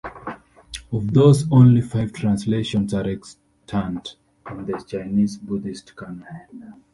Of those, only five translations are extant in the Chinese Buddhist canon.